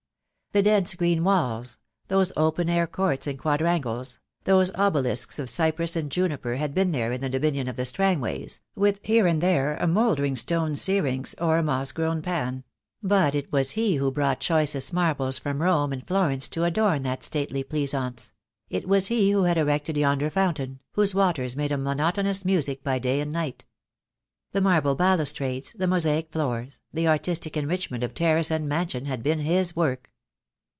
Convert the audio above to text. The dense green walls — those open air courts and quadrangles — those obelisks of cypress and juniper had been there in the dominion of the Strangways, with here and there a mouldering stone Syrinx or a moss grown Pan; but it was he who brought choicest marbles from Rome and Florence to adorn that stately pleasaunce; it was he who had erected yonder fountain, whose waters made a monotonous music by day and night. The marble balus trades, the mosaic floors, the artistic enrichment of terrace and mansion had been his work.